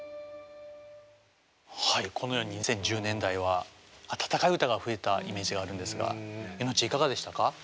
はいこのように２０１０年代は温かい歌が増えたイメージがあるんですがイノッチいかがでしたか？